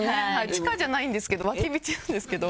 地下じゃないんですけど脇道なんですけど。